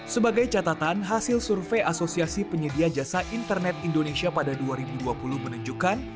sebagai catatan hasil survei asosiasi penyedia jasa internet indonesia pada dua ribu dua puluh menunjukkan